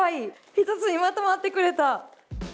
一つにまとまってくれた。